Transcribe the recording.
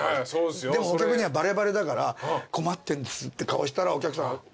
でもお客にはバレバレだから困ってんですって顔したらお客さん。